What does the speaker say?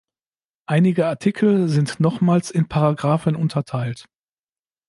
Einige Artikel sind nochmals in Paragraphen unterteilt.